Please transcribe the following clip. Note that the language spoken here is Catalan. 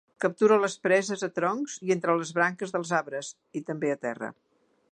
Captura les preses a troncs i entre les branques dels arbres, i també a terra.